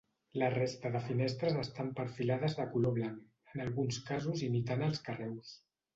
La resta de finestres estan perfilades de color blanc, en alguns casos imitant els carreus.